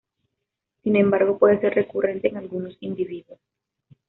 Sin embargo, puede ser recurrente en algunos individuos.